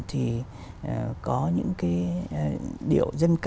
thì có những cái điệu dân ca